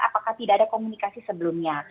apakah tidak ada komunikasi sebelumnya